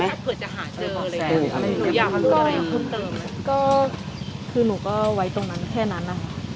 เผื่อจะหาเจออะไรกันคือหนูก็คือหนูก็ไว้ตรงนั้นแค่นั้นน่ะ